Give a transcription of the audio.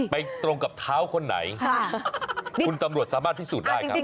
ตรงกับเท้าคนไหนคุณตำรวจสามารถพิสูจน์ได้ครับ